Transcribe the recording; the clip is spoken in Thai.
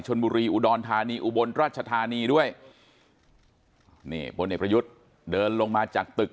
ชนบุรีอุดรธานีอุบลราชธานีด้วยนี่พลเอกประยุทธ์เดินลงมาจากตึก